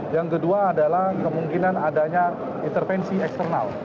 yang kedua adalah kemungkinan adanya intervensi eksternal